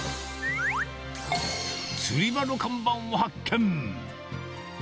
釣り場の看板を発見。